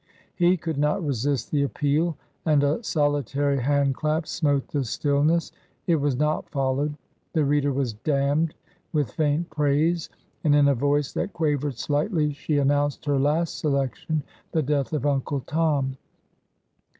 He could not resist the appeal, and a solitary hand clap smote the stillness. It was not followed. The reader was " damned with faint praise,^' and in a voice that quavered slightly she an nounced her last selection — The Death of Uncle Tom.